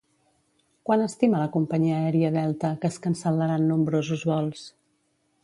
Quan estima la companyia aèria Delta que es cancel·laran nombrosos vols?